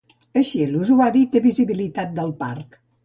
Així l'usuari té visibilitat del Parc.